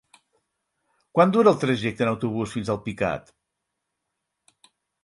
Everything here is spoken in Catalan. Quant dura el trajecte en autobús fins a Alpicat?